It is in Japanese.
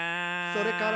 「それから」